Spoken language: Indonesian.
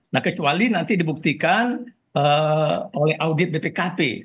nah kecuali nanti dibuktikan oleh audit bpkp